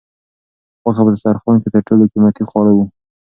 غوښه په دسترخوان کې تر ټولو قیمتي خواړه وو.